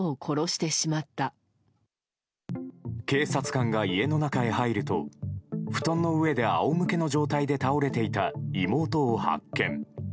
警察官が家の中に入ると布団の上で仰向けの状態で倒れていた妹を発見。